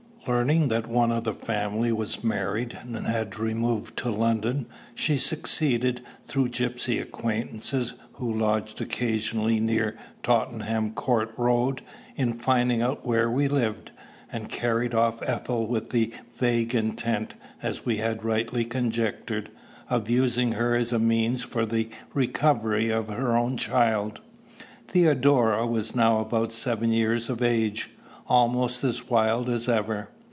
Learning that one of the family was married, and had removed to London, she succeeded, through gypsy acquaintances who lodged occasionally near Tottenham Court Road, in finding out where we lived, and carried off Ethel with the vague intent, as we had rightly conjectured, of using her as a means for the recovery of her own child. Theodora was now about seven years of age almost as wild as ever.